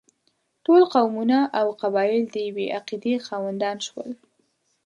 ټول قومونه او قبایل د یوې عقیدې خاوندان شول.